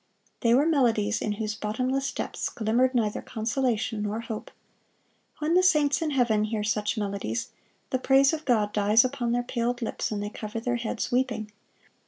They were melodies in whose bottomless depths glimmered neither consolation nor hope. When the saints in heaven hear such melodies, the praise of God dies upon their paled lips, and they cover their heads weeping.